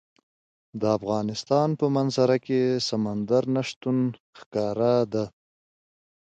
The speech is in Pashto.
د افغانستان په منظره کې سمندر نه شتون ښکاره ده.